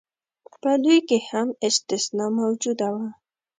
په دوی کې هم استثنا موجوده وه.